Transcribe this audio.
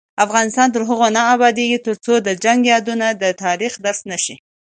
افغانستان تر هغو نه ابادیږي، ترڅو د جنګ یادونه د تاریخ درس نشي.